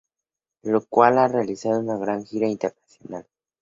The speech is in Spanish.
Lo cual han realizado una gran gira internacional.